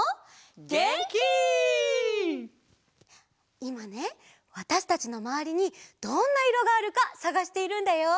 いまねわたしたちのまわりにどんないろがあるかさがしているんだよ。